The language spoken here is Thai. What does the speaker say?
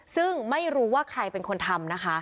ซึ่งไม่รู้ว่าใครเป็นคนทำนะคะ